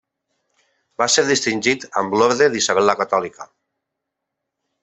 Va ser distingit amb l'Orde d'Isabel la Catòlica.